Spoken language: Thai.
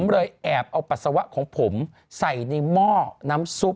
เลยแอบเอาปัสสาวะของผมใส่ในหม้อน้ำซุป